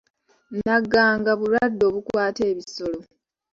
Naganga bulwadde obukwata ebisolo.